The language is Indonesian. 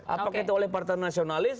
apakah itu oleh partai nasionalis